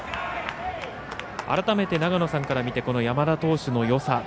改めて、長野さんから見て山田投手のよさ